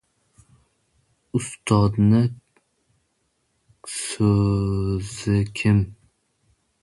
Ustodning so‘zikim: